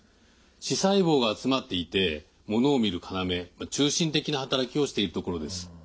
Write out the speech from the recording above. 視細胞が集まっていてものを見る要中心的な働きをしている所です。